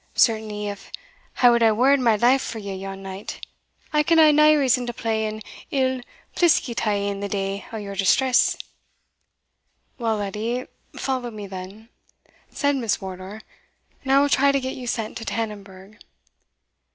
Certainly if I wad hae wared my life for you yon night, I can hae nae reason to play an ill pliskie t'ye in the day o' your distress." "Well, Edie, follow me then," said Miss Wardour, "and I will try to get you sent to Tannonburgh."